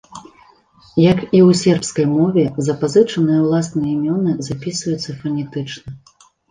Як і ў сербскай мове, запазычаныя ўласныя імёны запісваюцца фанетычна.